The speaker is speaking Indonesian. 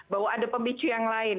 bahwa ada pemicu yang lain